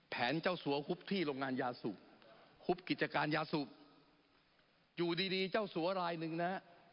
เจ้าสัวฮุบที่โรงงานยาสูบฮุบกิจการยาสูบอยู่ดีดีเจ้าสัวรายหนึ่งนะฮะ